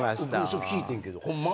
そう聞いてんけどホンマ？